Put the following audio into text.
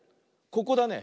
ここだね。